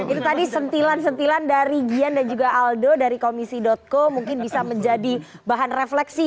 itu tadi sentilan sentilan dari gian dan juga aldo dari komisi co mungkin bisa menjadi bahan refleksi